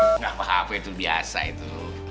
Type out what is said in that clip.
kenapa hape itu biasa itu